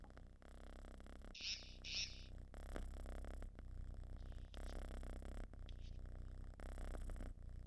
日野交流道是位于神奈川县横滨市南区的横滨横须贺道路之交流道。